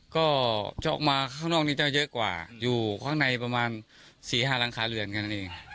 ก็จะออกมาข้างนอกนี้จะเยอะกว่าอยู่ข้างในประมาณ๔๕หลังคาเรือนแค่นั้นเอง